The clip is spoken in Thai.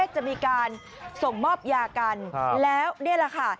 จะมีการส่งมอบยากันแล้วนี่แหละค่ะ